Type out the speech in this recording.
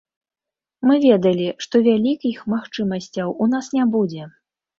Мы ведалі, што вялікіх магчымасцяў у нас не будзе.